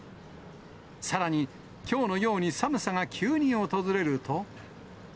さらに、きょうのように寒さが急に訪れると。